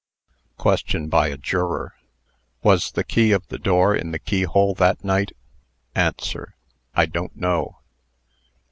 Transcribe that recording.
QUESTION BY A JUROR. "Was the key of the door in the keyhole that night?" ANSWER. "I don't know."